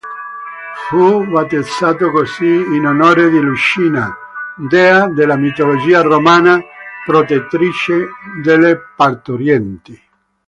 Fu battezzato così in onore di Lucina, dea della mitologia romana protettrice delle partorienti.